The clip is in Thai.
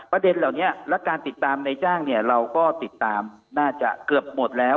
ประเด็นเหล่านี้และการติดตามในจ้างเนี่ยเราก็ติดตามน่าจะเกือบหมดแล้ว